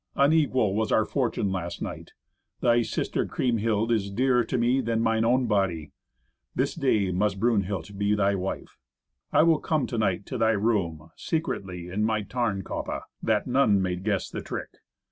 Unequal was our fortune last night. Thy sister Kriemhild is dearer to me than mine own body. This day must Brunhild be thy wife. I will come to night to thy room secretly in my Tarnkappe, that none may guess the trick.